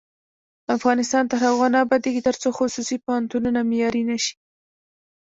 افغانستان تر هغو نه ابادیږي، ترڅو خصوصي پوهنتونونه معیاري نشي.